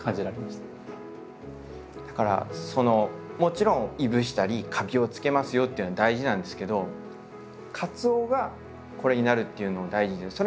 だからそのもちろんいぶしたりカビを付けますよというのは大事なんですけど鰹がこれになるっていうのも大事で。